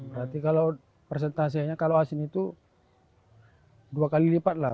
berarti kalau persentasenya kalau asin itu dua kali lipat lah